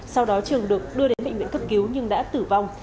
sau đó trường được đưa đến bệnh viện cấp cứu nhưng đã tử vong